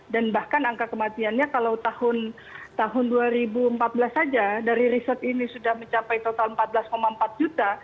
dan bahkan angka kematiannya kalau tahun dua ribu empat belas saja dari riset ini sudah mencapai total empat belas empat juta